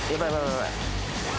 ヤバい